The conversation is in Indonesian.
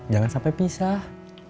jangan sampai pisah